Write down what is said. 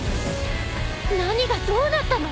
何がどうなったの！？